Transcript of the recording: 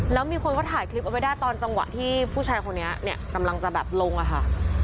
แล้วมีคนเขาถ่ายคลิปเอาไว้ได้ตอนจังหวะที่ผู้ชายคนนี้เนี่ยกำลังจะแบบลงอะค่ะ